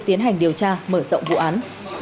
tiến hành điều tra mở rộng vụ án